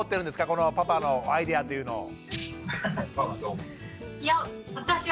このパパのアイデアというのを。